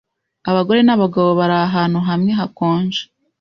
abagore n’abagabo bari ahantu hamwe hakonje,